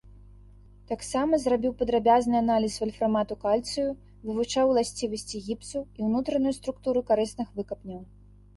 Таксама зрабіў падрабязны аналіз вальфрамату кальцыю, вывучаў ўласцівасці гіпсу і ўнутраную структуру карысных выкапняў.